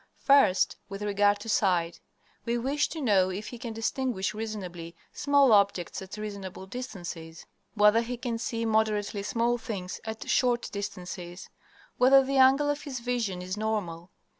First, with regard to sight. We wish to know if he can distinguish reasonably small objects at reasonable distances; whether he can see moderately small things at short distances; whether the angle of his vision is normal.